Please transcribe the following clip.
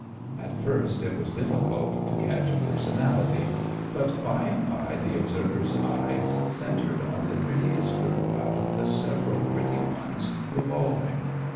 At first it was difficult to catch a personality, but by and by the observer's eyes centred on the prettiest girl out of the several pretty ones revolving.